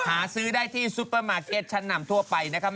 หาซื้อได้ที่ซุปเปอร์มาร์เก็ตชั้นนำทั่วไปนะครับ